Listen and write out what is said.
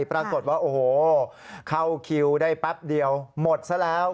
ปรากฏว่าโอ้โหเข้าคิวได้แป๊บเดียวหมดซะแล้ว